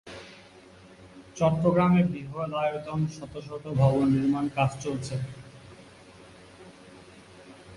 চট্টগ্রামে বৃহদায়তন শত শত ভবন নির্মাণ কাজ চলছে।